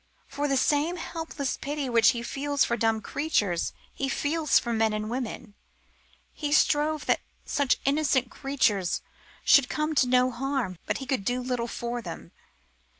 For the same helpless pity which he feels for dumb creatures he feels for men and women: ... He strove that such innocent creatures should come to no harm, But he could do little for them.